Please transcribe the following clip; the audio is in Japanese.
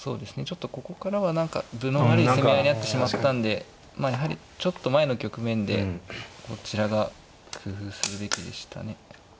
ちょっとここからは何か分の悪い攻め合いになってしまったんでまあやはりちょっと前の局面でこちらが工夫するべきでしたね。